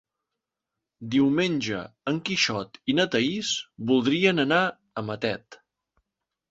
Diumenge en Quixot i na Thaís voldrien anar a Matet.